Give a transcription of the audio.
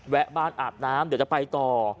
แวะบ้านอาบน้ำเดี๋ยวจะไปต่อ